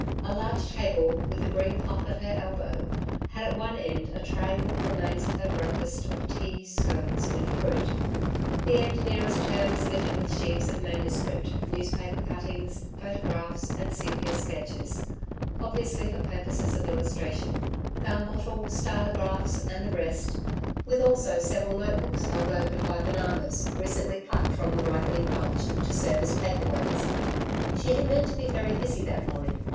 A large table with a green cloth, at her elbow, had at one end a tray with the remains of her breakfast of tea, scones and fruit. The end nearest her was littered with sheaves of manuscript, newspaper cuttings, photographs and sepia sketches obviously for purposes of illustration: gum bottle, stylographs and the rest, with, also, several note books held open by bananas, recently plucked from the ripening bunch, to serve as paper weights. She had meant to be very busy that morning.